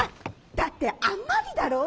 だってあんまりだろう？